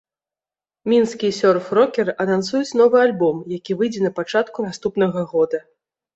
Мінскія сёрф-рокеры анансуюць новы альбом, які выйдзе на пачатку наступнага года.